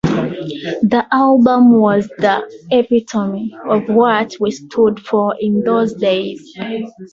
That album was the epitome of what we stood for in those days.